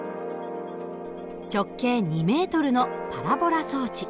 直径２ｍのパラボラ装置。